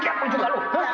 jangan jangan om